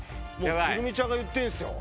来泉ちゃんが言ってんすよ。